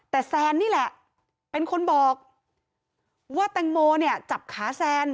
แต่แซนนี่แหละเป็นคนบอกว่าแตงโมเนี่ยจับขาแซน